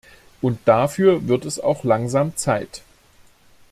Und dafür wird es auch langsam Zeit!